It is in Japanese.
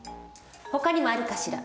ほかにもあるかしら。